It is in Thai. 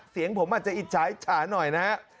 เสียงผมอาจจะอิจฉาอิจฉาหน่อยนะฮะ